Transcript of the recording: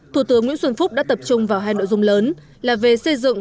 thủ tướng nguyễn xuân phúc đã tập trung vào hai nội dung lớn là về xây dựng